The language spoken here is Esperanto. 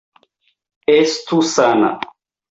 Estu sana!